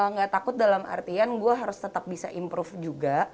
nggak takut dalam artian gue harus tetap bisa improve juga